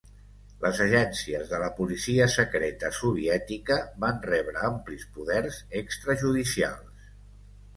Les agències de la policia secreta soviètica van rebre amplis poders extrajudicials.